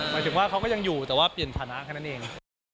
หมายถึงว่าเขาก็ยังอยู่แต่ว่าเปลี่ยนฐานะแค่นั้นเอง